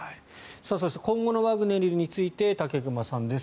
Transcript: そして今後のワグネルについて武隈さんです。